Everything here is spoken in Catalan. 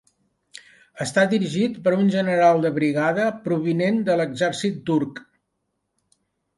Està dirigit per un general de brigada provinent de l'exèrcit turc.